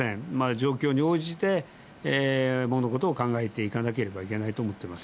状況に応じて、物事を考えていかなければいけないと思います。